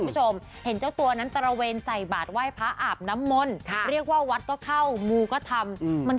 โจโจโจโจกและสามารถรอบว่านี้กัน